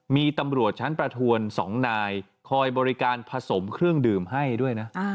มีตำรวจชั้นประทวน๒นายคอยบริการผสมเครื่องดื่มให้ด้วยนะ